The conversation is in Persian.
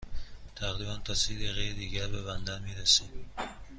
تقریباً تا سی دقیقه دیگر به بندر می رسیم.